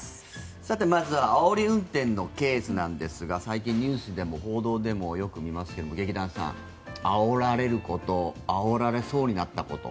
さて、まずはあおり運転のケースなんですが最近、ニュースでも報道でもよく見ますけど劇団さん、あおられることあおられそうになったこと。